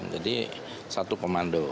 jadi satu komando